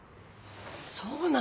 そうなの？